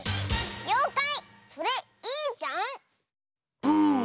「ようかいそれいいじゃん」！